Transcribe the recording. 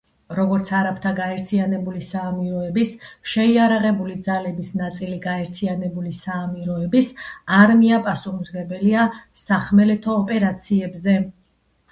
როგორც არაბთა გაერთიანებული საამიროების შეიარაღებული ძალების ნაწილი გაერთიანებული საამიროების არმია პასუხისმგებელია სახმელეთო ოპერაციებზე.